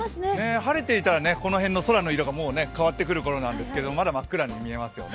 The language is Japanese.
晴れていたらこの辺の空の色がもう変わってくるころなんですけどまだ真っ暗に見えますよね。